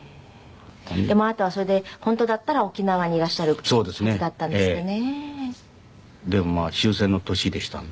でもあなたはそれで本当だったら沖縄にいらっしゃるはずだったんですってね。